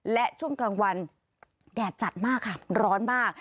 และช่วงกลางวันแดดจัดมากค่ะร้อนมาก